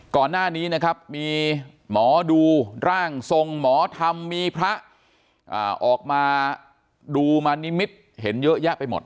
ก่อนหน้านี้นะครับมีหมอดูร่างทรงหมอธรรมมีพระออกมาดูมานิมิตเห็นเยอะแยะไปหมด